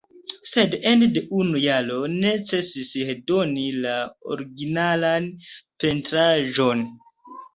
Sed ene de unu jaro necesis redoni la originalan pentraĵon.